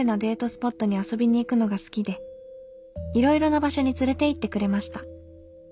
スポットに遊びに行くのが好きでいろいろな場所に連れて行ってくれました。